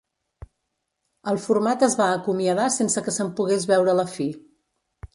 El format es va acomiadar sense que se'n pogués veure la fi.